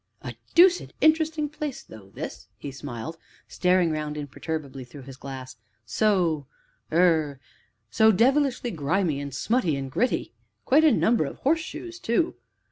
"A deuced interesting place though, this," he smiled, staring round imperturbably through his glass; "so er so devilish grimy and smutty and gritty quite a number of horseshoes, too.